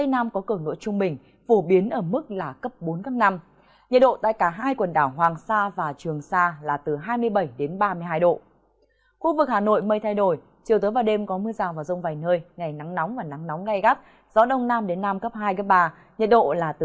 nhật độ là từ hai mươi tám đến ba mươi tám độ